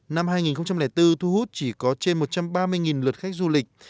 năm hai nghìn bốn thu hút chỉ có trên một trăm ba mươi lượt khách du lịch